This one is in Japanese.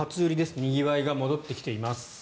にぎわいが戻ってきています。